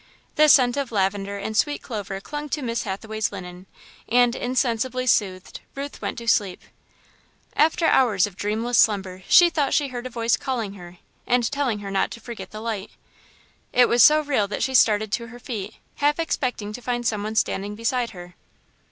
The scent of lavender and sweet clover clung to Miss Hathaway's linen, and, insensibly soothed, Ruth went to sleep. After hours of dreamless slumber, she thought she heard a voice calling her and telling her not to forget the light. It was so real that she started to her feet, half expecting to find some one standing beside her.